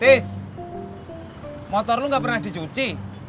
tis motor lu gak pernah dicuci